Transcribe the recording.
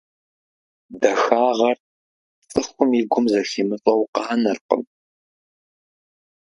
Дахагъэр цӀыхум и гум зэхимыщӀэу къанэркъым.